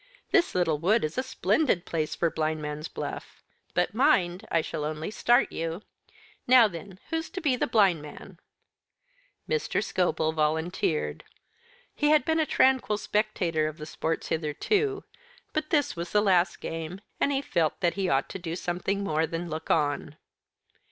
"This little wood is a splendid place for Blindman's Buff. But mind, I shall only start you. Now then, who's to be Blindman?" Mr. Scobel volunteered. He had been a tranquil spectator of the sports hitherto; but this was the last game, and he felt that he ought to do something more than look on.